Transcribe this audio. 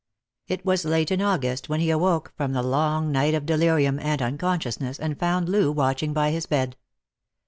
It was late in August when he awoke from the long night of delirium and unconsciousness, and found Loo watching by his bed.